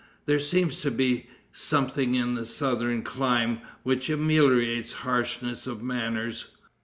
There seems to be something in a southern clime which ameliorates harshness of manners.